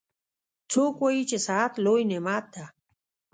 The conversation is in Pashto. څوک وایي چې صحت لوی نعمت ده